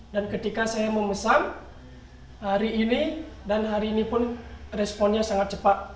dan ketika saya memesan hari ini dan hari ini pun responnya sangat cepat